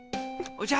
おじゃ。